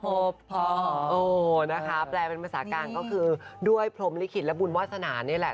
โอ้โหนะคะแปลเป็นภาษาการก็คือด้วยพรมลิขิตและบุญวาสนานี่แหละ